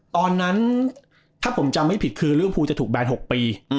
ตอนนั้นถ้าผมจำให้ผิดคือลิเวอร์ฟูจะถูกแบนหกปีอืม